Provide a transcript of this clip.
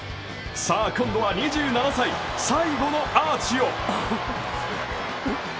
さあ、今度は２７歳最後のアーチを！